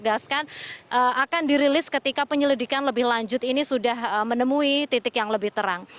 akan dirilis ketika penyelidikan lebih lanjut ini sudah menemui titik yang lebih terang